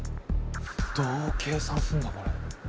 どう計算すんだこれ。